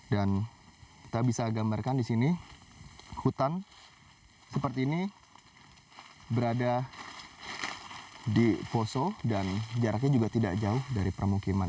dan kita bisa gambarkan di sini hutan seperti ini berada di poso dan jaraknya juga tidak jauh dari permukiman